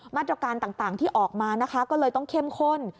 มาตรการต่างที่ออกมานะคะก็เลยต้องเข้มข้น